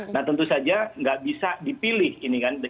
nah tentu saja nggak bisa dipilih ini kan